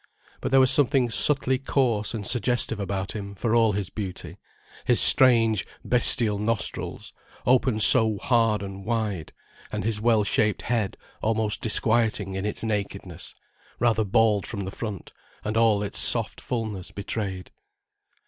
But there was something subtly coarse and suggestive about him for all his beauty; his strange, bestial nostrils opened so hard and wide, and his well shaped head almost disquieting in its nakedness, rather bald from the front, and all its soft fulness betrayed.